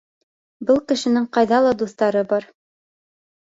— Был кешенең ҡайҙа ла дуҫтары бар.